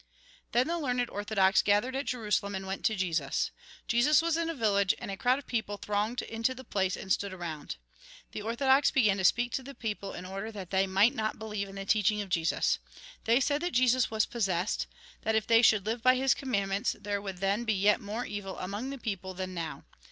Then the learned orthodox gathered at Jerusalem, and went to Jesus. Jesus was in a village, and a crowd of people thronged into the place, and stood around. 74 THE GOSPEL IN BRIEF The orthodox began to speak to the people, in order that they might not believe in the teaching of Jesus. They said that Jesus was possessed ; that if they should live by his commandments, there would then be yet more evil among the people than now.